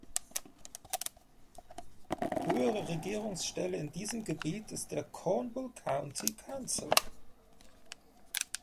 Höhere Regierungsstelle in diesem Gebiet ist der Cornwall County Council.